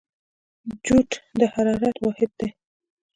جوت د حرارت واحد دی.